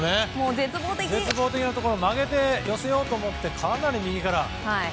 絶望的なところを曲げて寄せようと思ってかなり右から。